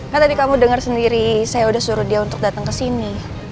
kan tadi kamu dengar sendiri saya sudah suruh dia untuk datang ke sini